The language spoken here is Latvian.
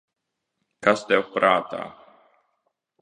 Kas tev prātā?